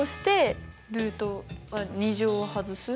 ルート２乗を外す？